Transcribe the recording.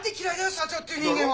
社長っていう人間は。